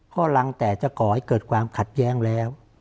ก็รังแต่จะก่อให้เกิดความขัดแย้งแล้ว